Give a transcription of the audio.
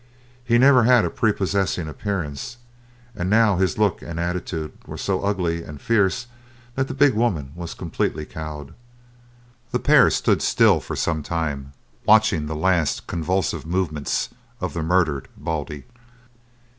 He never had a prepossessing appearance, and now his look and attitude were so ugly and fierce that the big woman was completely cowed. The pair stood still for some time, watching the last convulsive movements of the murdered Baldy.